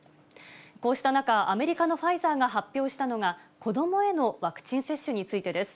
こうした中、アメリカのファイザーが発表したのが、子どもへのワクチン接種についてです。